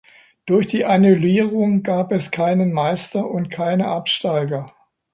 Durch die Annullierung gab es keinen Meister und keine Absteiger.